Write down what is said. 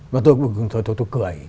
mà tôi cũng cười